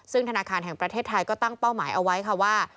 ซึ่งธนาคารแห่งประเทศไทยก็ตั้งเป้าหมายเอาไว้ค่ะว่า